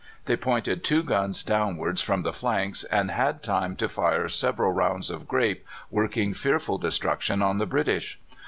They pointed two guns downwards from the flanks and had time to fire several rounds of grape, working fearful destruction on the British.